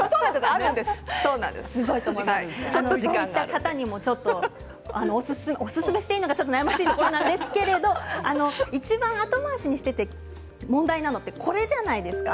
そういう方にもおすすめしていいのか悩ましいところですがいちばん後回しにしていて問題なのってこれじゃないですか。